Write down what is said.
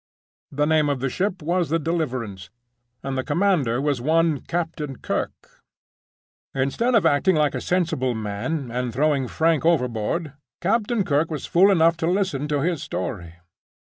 "The name of the ship was the Deliverance, and the commander was one Captain Kirke. Instead of acting like a sensible man, and throwing Frank overboard, Captain Kirke was fool enough to listen to his story.